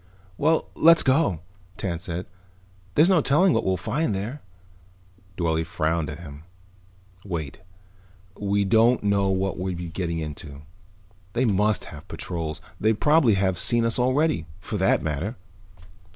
"Well, let's go," Tance said. "There's no telling what we'll find there." Dorle frowned at him. "Wait. We don't know what we would be getting into. They must have patrols. They probably have seen us already, for that matter."